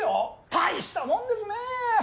大したもんですねぇ！